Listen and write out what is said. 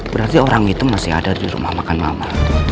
berarti orang itu masih ada di rumah makan mama